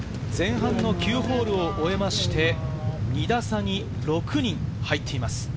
前半の９ホールを終えまして、２打差に６人入っています。